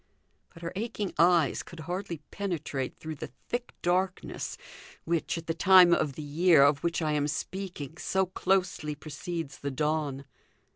But her aching eyes could hardly penetrate through the thick darkness, which, at the time of the year of which I am speaking, so closely precedes the dawn.